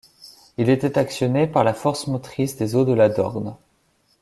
Il était actionné par la force motrice des eaux de la Dorne.